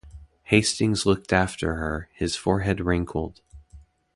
Hastings looked after her, his forehead wrinkled.